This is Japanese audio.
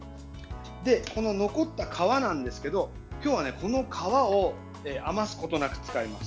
残った皮なんですけど今日は、この皮を余すことなく使います。